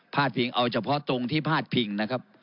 พิงเอาเฉพาะตรงที่พาดพิงนะครับ